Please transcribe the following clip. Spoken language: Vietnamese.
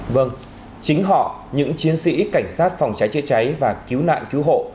vâng chính họ những chiến sĩ cảnh sát phòng cháy chữa cháy và cứu nạn cứu hộ